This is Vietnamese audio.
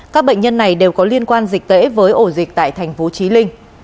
các bệnh nhân này đều có liên quan dịch tễ với ổ dịch tại thành phố trí linh